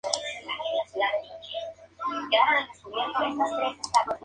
Fue cancelada por sus bajos índices de audiencia.